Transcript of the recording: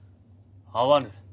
会わぬ。